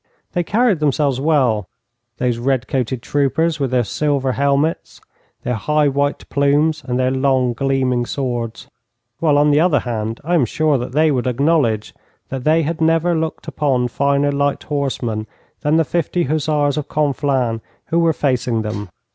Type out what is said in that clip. They carried themselves well, those red coated troopers, with their silver helmets, their high white plumes, and their long, gleaming swords; while, on the other hand, I am sure that they would acknowledge that they had never looked upon finer light horsemen than the fifty hussars of Conflans who were facing them.